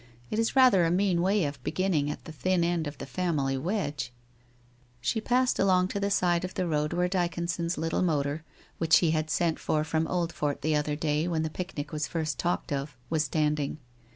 ' It is rather a mean way of beginning at the thin end of the family wedge !' She passed along to the side of the road where Dycon son's little motor, which he had sent for from Oldfort the other day when the picnic was first talked of, was standing.